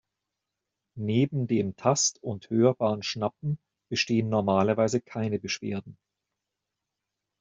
Neben dem tast- und hörbaren Schnappen bestehen normalerweise keine Beschwerden.